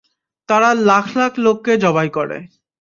তারা লাখ লাখ লোককে জবাই করে।